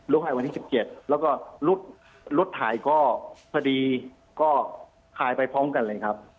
ให้วันที่๑๗แล้วก็รถถ่ายก็พอดีก็คายไปพร้อมกันเลยครับ